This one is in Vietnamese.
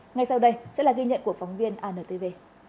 ngay sau đây sẽ là ghi nhận của phóng viên antv